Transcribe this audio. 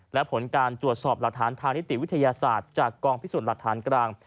และผลการตรวจสอบหลักฐานทางนิติวิทยาศาสตร์จากกองพิสูจน์หลักฐานกลาง